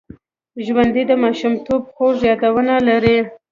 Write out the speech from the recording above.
ژوندي د ماشومتوب خوږ یادونه لري